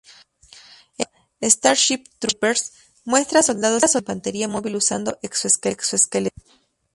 El libro "Starship Troopers" muestra a soldados de la infantería móvil usando exoesqueletos.